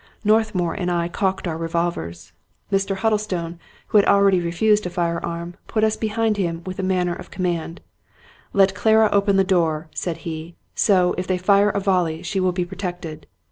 Northmour and I cocked our revolvers. Mr. Huddle 205 Scotch Mystery Stories stone, who had already refused a firearm, put us behind him with a manner of command. " Let Clara open the door," said he. " So, if they fire a volley, she will be protected.